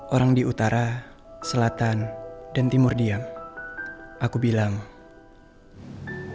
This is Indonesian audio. orang di utara selatan dan timur dia aku bilang